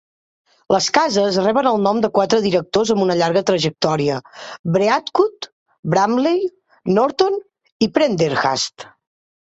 Les cases reben el nom de quatre directors amb una llarga trajectòria: Beardwood, Bramley, Norton i Prendergast.